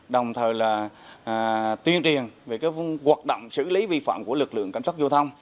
đồng thời là tuyên truyền về hoạt động xử lý vi phạm của lực lượng cảnh sát giao thông